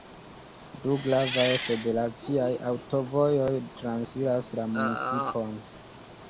Du gravaj federaciaj aŭtovojoj transiras la municipon.